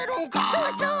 そうそう！